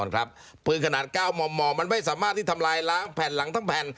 ครับปืนขนาด๙มมมันไม่สามารถที่ทำลายล้างแผ่นหลังทั้งแผ่น